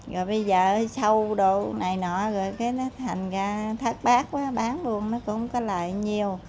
rồi bây giờ sâu đồ này nọ rồi cái nó thành ra thác bát quá bán luôn nó cũng có lại nhiều